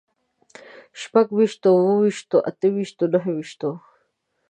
شپږ ويشتو، اووه ويشتو، اته ويشتو، نهه ويشتو